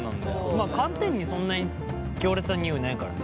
まあ寒天にそんなに強烈な匂いないからね。